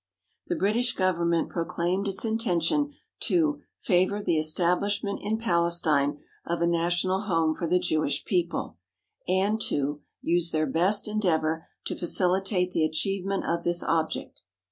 The British Government proclaimed its intention to "favour the establishment in Palestine of a national home for the Jewish people" and to "use their best en deavour to facilitate the achievement of this object."